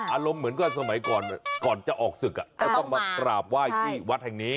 อารมณ์เหมือนก็สมัยก่อนก่อนจะออกศึกก็ต้องมากราบไหว้ที่วัดแห่งนี้